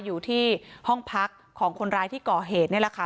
อยู่ที่ห้องพักของคนร้ายที่ก่อเหตุนี่แหละค่ะ